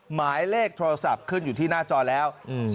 หมายเลขโทรศัพท์ขึ้นอยู่ที่หน้าจอแล้ว